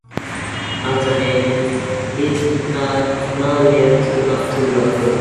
At the end, it mounted up to a book.